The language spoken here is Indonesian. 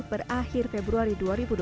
perakhir februari dua ribu dua puluh dua